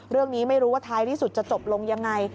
เรื่องนี้ไม่รู้ว่าท้ายที่สุดจะจบลงยังไง